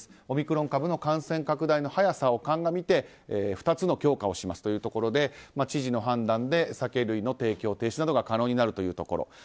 オミクロン株の感染拡大の速さをかんがみて２つの強化をしますということで知事の判断で酒類提供停止などが可能になるというところ。